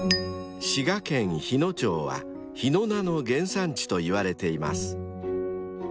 ［滋賀県日野町は日野菜の原産地といわれています］